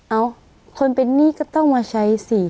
เอ้าคนเป็นหนี้ก็ต้องมาใช้สิ